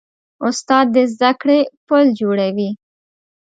استاد د زدهکړې پل جوړوي.